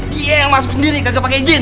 dia yang masuk sendiri kagak pake izin